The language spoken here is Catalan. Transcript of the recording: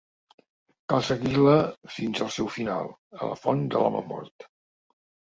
Cal seguir-la fins al seu final, a la Font de l'Home Mort.